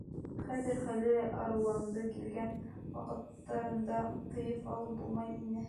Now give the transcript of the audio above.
Хәҙер хәле арыуланды, килгән ваҡыттарында тыйып алып булмай ине.